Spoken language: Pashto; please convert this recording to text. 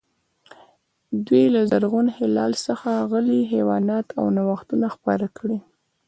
دوی له زرغون هلال څخه غلې، حیوانات او نوښتونه خپاره کړي.